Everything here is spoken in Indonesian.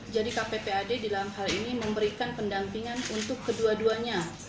jadi kppad dalam hal ini memberikan pendampingan untuk kedua duanya